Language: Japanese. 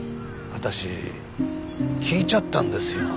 私聞いちゃったんですよ